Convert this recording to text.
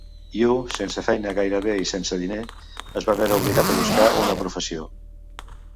Yu, sense feina i gairebé sense diners, es va veure obligat a buscar una professió.